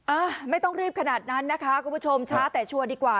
อ่าไม่ต้องรีบขนาดนั้นนะคะคุณผู้ชมช้าแต่ชัวร์ดีกว่า